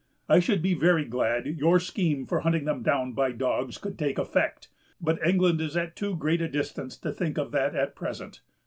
I should be very glad your scheme for hunting them down by dogs could take effect, but England is at too great a distance to think of that at present."